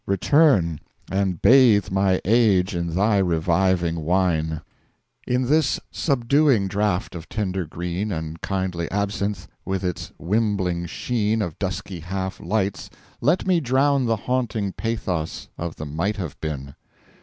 Return, And bathe my Age in thy reviving Wine.' In this subduing Draught of tender green And kindly Absinth, with its wimpling Sheen Of dusky half lights, let me drown The haunting Pathos of the Might Have Been.